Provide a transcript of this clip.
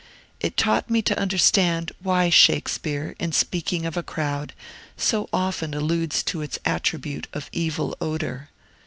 It taught me to understand why Shakespeare, in speaking of a crowd, so often alludes to its attribute of evil odor.